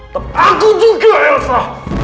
tetap aku juga elsa